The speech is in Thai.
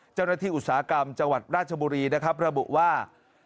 อุตสาหกรรมจังหวัดราชบุรีนะครับระบุว่า